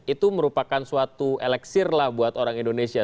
itu merupakan suatu eleksir lah buat orang indonesia